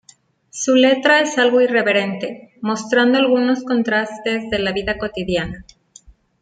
Su letra es algo irreverente, mostrando algunos contrastes de la vida cotidiana.